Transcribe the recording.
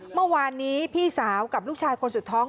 เมื่อวานนี้พี่สาวกับลูกชายคนสุดท้อง